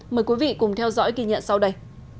mời quý vị cùng theo dõi kỳ nhận sau đây